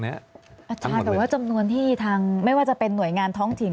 อาจารย์แต่ว่าจำนวนที่ทางไม่ว่าจะเป็นหน่วยงานท้องถิ่น